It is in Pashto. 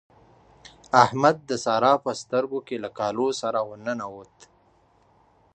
احمد د سارا په سترګو کې له کالو سره ور ننوت.